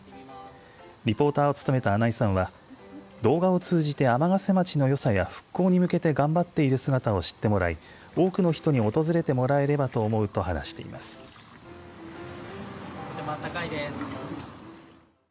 リポーターを務めた穴井さんは動画を通じて天瀬町のよさや復興に向けて頑張っている姿を知ってもらい多くの人に訪れてもらえればと思うと話しています。